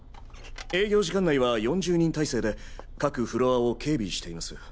営業時間内は４０人態勢で各フロアを警備しています。